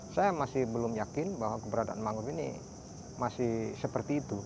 saya masih belum yakin bahwa keberadaan mangrove ini masih seperti itu